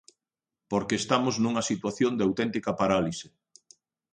Porque estamos nunha situación de auténtica parálise.